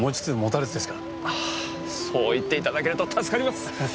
そう言っていただけると助かります！